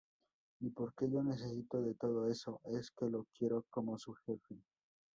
Y porque yo necesito de todo eso es que lo quiero como su jefe.